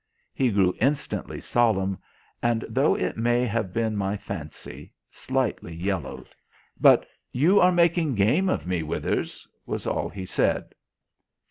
He grew instantly solemn, and, though it may have been my fancy, slightly yellowed. But "You are making game of me, Withers," was all he said.